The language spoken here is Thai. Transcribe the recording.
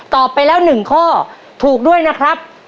ตอบไปแล้วหนึ่งข้อถูกด้วยนะครับ